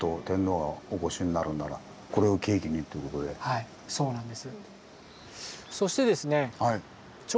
はいそうなんです。